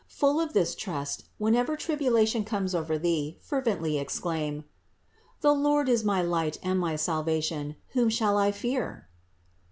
Full of this trust, whenever tribulation comes over thee, fervently exclaim: "The Lord is my light and my salvation, whom shall I fear?